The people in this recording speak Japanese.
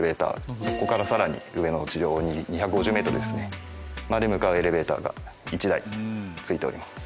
そこからさらに上の地上２５０メートルですねまで向かうエレベーターが１台ついております。